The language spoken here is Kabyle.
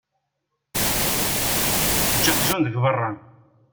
Eǧǧ aqjun deg beṛṛa.